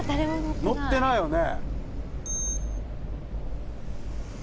乗ってないよね。